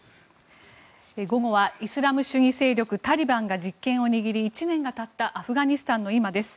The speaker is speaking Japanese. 午後はイスラム主義勢力が実権を握り１年がたったアフガニスタンの今です。